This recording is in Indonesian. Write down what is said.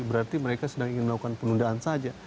berarti mereka sedang ingin melakukan penundaan saja